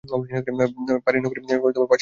পারি নগরী পাশ্চাত্য সভ্যতার রাজধানী।